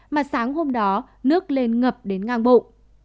mà sáng hôm đó nước lên ngập đến ngang bộ